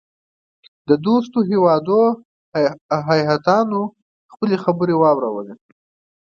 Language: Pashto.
د دوستو هیوادو هیاتونو خپلي خبرې واورلې.